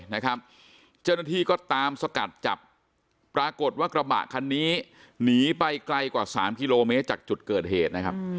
เจ้าหน้าที่ก็ตามสกัดจับปรากฏว่ากระบะคันนี้หนีไปไกลกว่า๓กิโลเมตรจากจุดเกิดเหตุนะครับ